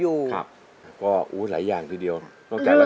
ซื้อสันภาษีให้อะไร